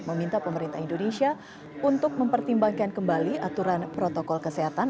meminta pemerintah indonesia untuk mempertimbangkan kembali aturan protokol kesehatan